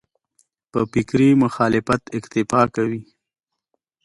په فکري مخالفت اکتفا کوي.